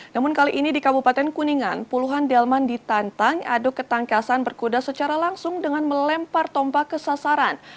namun kali ini di kabupaten kuningan puluhan delman ditantang aduk ketangkasan berkuda secara langsung dengan melempar tompa ke sasaran